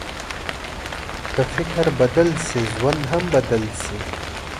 که فکر بدل شي، ژوند هم بدل شي.